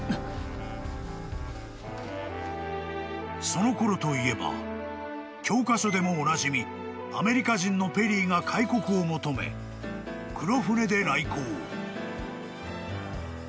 ［そのころといえば教科書でもおなじみアメリカ人のペリーが開国を求め黒船で来航］